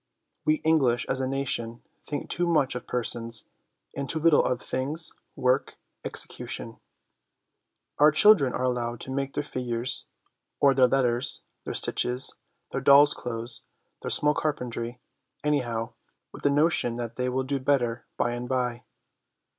We English, as a nation, think too much of persons, and too little of things, work, execution. Our children are allowed to make their figures, or their letters, their stitches, their dolls' clothes, their small carpentry, anyhow, with the notion that they will do better by and by.